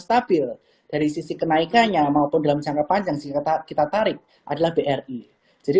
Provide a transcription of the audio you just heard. stabil dari sisi kenaikannya maupun dalam jangka panjang sehingga kita tarik adalah bri jadi